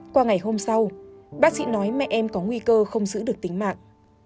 qua ngày hôm sau bác sĩ nói mẹ em có nguy cơ không giữ được tính mạng